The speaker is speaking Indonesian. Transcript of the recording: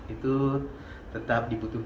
itu tetap dibutuhkan